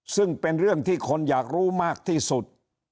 ซึ่งเป็นเรื่องที่คนอยากรู้มากที่สุด